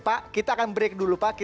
pak kita akan break dulu